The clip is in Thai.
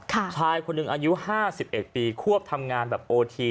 ชายคนหนึ่งอายุ๕๑ปีควบทำงานแบบโอที